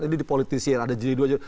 ini dipolitisir ada jiri dua jiri